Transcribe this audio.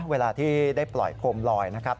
เวลาที่ได้ปล่อยโคมลอยนะครับ